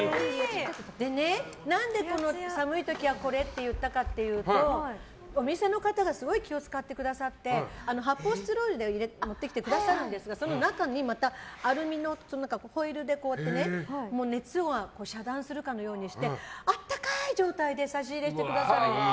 なんで、この寒い時はこれって言ったかというとお店の方がすごい気を使ってくださって発泡スチロールで持ってきてくださるんですがその中にまたアルミのホイルで熱を遮断するかのようにして温かい状態で差し入れしてくださるんです。